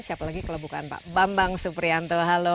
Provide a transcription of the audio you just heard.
siapa lagi kelebukan pak bambang suprianto halo